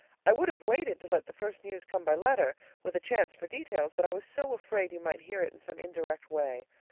I would have waited to let the first news come by letter, with a chance for details, but I was so afraid you might hear it in some indirect way.